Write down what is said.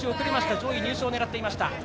上位入賞を狙っていました。